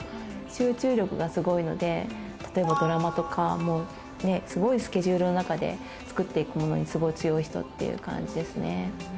集中力がすごいので例えばドラマとかもうすごいスケジュールの中で作っていくものにすごい強い人っていう感じですね